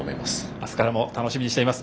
明日からも楽しみにしています。